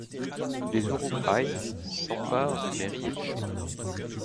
Les Uruk-hai s'emparent de Merry et Pippin.